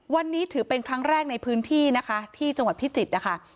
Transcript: วันนี้ถือเป็นครั้งแรกในพื้นที่นะคะที่จังหวัดพิจิตรนะคะ